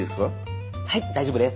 はい大丈夫です。